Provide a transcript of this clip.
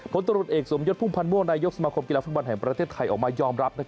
ผลตรวจเอกสมยศพุ่มพันธ์ม่วงนายกสมาคมกีฬาฟุตบอลแห่งประเทศไทยออกมายอมรับ